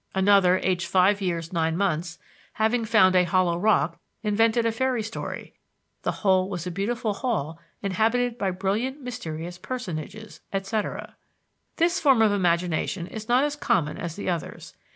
Another, aged five years nine months, having found a hollow rock, invented a fairy story: the hole was a beautiful hall inhabited by brilliant mysterious personages, etc. This form of imagination is not as common as the others.